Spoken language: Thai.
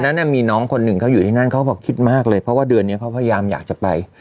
นั้นมีน้องคนหนึ่งเขาอยู่ที่นั่นเขาบอกคิดมากเลยเพราะว่าเดือนนี้เขาพยายามอยากจะไป